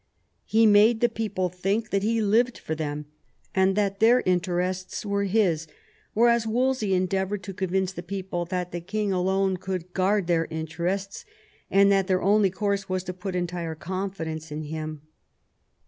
He made the people think that he lived for them, and that their interests were his, whereas Wolsey endeavoured to convince the people that the king alone could guard their interests, and that their only course was to put entire confidence in him.